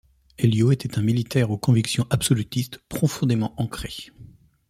Elío était un militaire aux convictions absolutistes profondément ancrées.